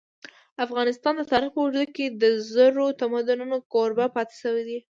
افغانستان د تاریخ په اوږدو کي د زرو تمدنونو کوربه پاته سوی دی.